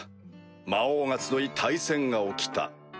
「魔王が集い大戦が起きた」と。